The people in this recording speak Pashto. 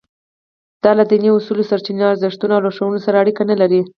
دا له دیني اصولو، سرچینو، ارزښتونو او لارښوونو سره اړیکه نه لري.